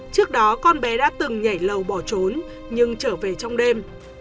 trước đó con bé đã từng nhảy lầu bỏ trốn nhưng trở về trong đêm